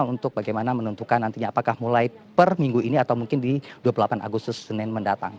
untuk bagaimana menentukan nantinya apakah mulai per minggu ini atau mungkin di dua puluh delapan agustus senin mendatang